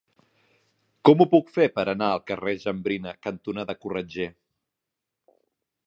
Com ho puc fer per anar al carrer Jambrina cantonada Corretger?